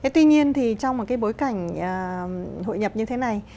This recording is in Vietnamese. tuy nhiên thì trong một cái bối cảnh hội nhập như thế này